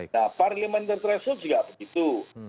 nah parlimen tersebut juga begitu